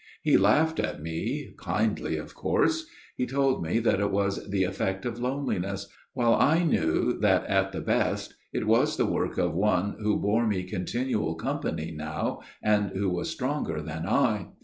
He laughed at me, kindly of course. He told me that it was the effect of loneliness, while I knew that at the best it was the work of one who bore me continual company now and who was stronger than I.